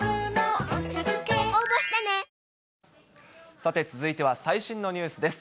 さて、続いては最新のニュースです。